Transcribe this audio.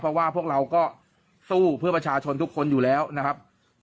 เพราะว่าพวกเราก็สู้เพื่อประชาชนทุกคนอยู่แล้วนะครับ